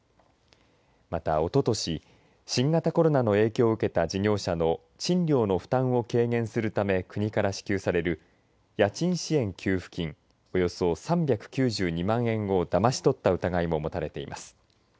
また、おととし新型コロナの影響を受けた事業者の賃料の負担を軽減するため国から支給される家賃支援給付金およそ３９２万円をだまし取った疑いも持たれています。